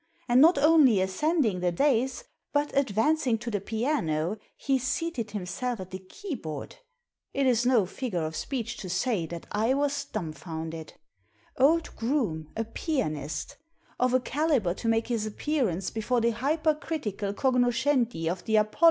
And not only ascending the dais, but, advancing to the piano, he seated himself at the keyboard. It is no figure of speech to say that I was dumbfounded. Old Groome a pianist f Of a calibre to make his appearance before the h)rpercritical cognoscenti of the Apollo Club